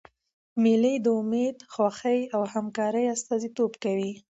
مېلې د امېد، خوښۍ او همکارۍ استازیتوب کوي.